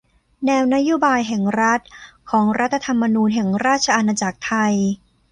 แนวนโยบายแห่งรัฐของรัฐธรรมนูญแห่งราชอาณาจักรไทย